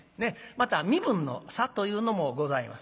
また身分の差というのもございます。